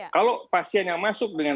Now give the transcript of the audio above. kalau pasien yang masuk dengan